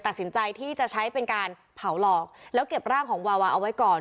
ตัดสินใจที่จะใช้เป็นการเผาหลอกแล้วเก็บร่างของวาวาเอาไว้ก่อน